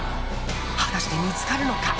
果たして見つかるのか？